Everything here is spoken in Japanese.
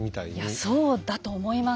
いやそうだと思います。